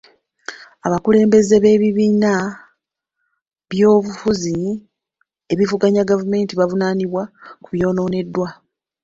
Abakulembeze b'ebibiina by'ebyobufuzi ebivuganya gavumenti bavunaanibwa ku byayonooneddwa.